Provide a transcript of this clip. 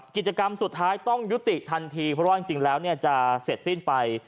กิจกรรมสุดท้ายต้องยุติทันทีเพราะว่าจริงแล้วจะเสร็จสิ้นไป